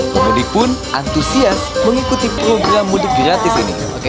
pemudik pun antusias mengikuti program mudik gratis ini